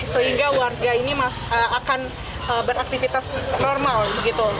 sehingga warga ini akan beraktivitas normal begitu